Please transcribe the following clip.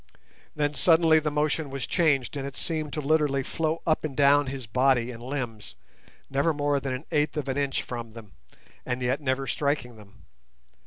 Then suddenly the motion was changed, and it seemed to literally flow up and down his body and limbs, never more than an eighth of an inch from them, and yet never striking them.